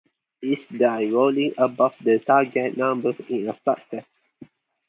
Each die rolling above the target number is a success.